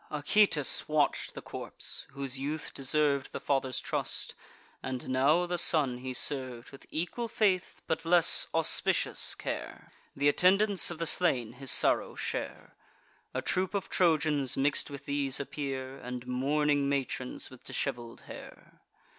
Acoetes watch'd the corpse; whose youth deserv'd The father's trust; and now the son he serv'd With equal faith, but less auspicious care. Th' attendants of the slain his sorrow share. A troop of Trojans mix'd with these appear, And mourning matrons with dishevel'd hair.